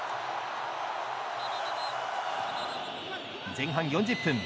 前半４０分。